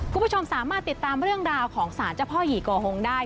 คุณผู้ชมสามารถติดตามเรื่องราวของสารเจ้าพ่อหยี่กอฮงได้